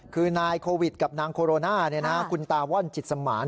คือนายโควิดกับนางโคโรนาคุณตาว่อนจิตสมาน